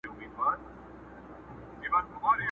که ته نه وې یوه بل ته دښمنان دي!!